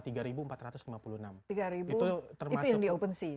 itu yang di opensea